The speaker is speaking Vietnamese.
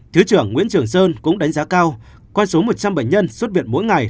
thứ trưởng nguyễn trường sơn cũng đánh giá cao qua số một trăm linh bệnh nhân xuất viện mỗi ngày